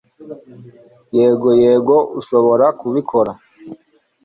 Yego! Yego! Ushobora kubikora!